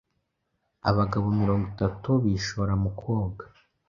abagabo mirongo itatu bishora mu koga-